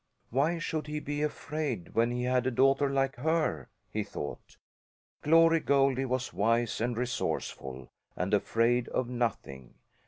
Why should he be afraid when he had a daughter like her? he thought. Glory Goldie was wise and resourceful, and afraid of nothing.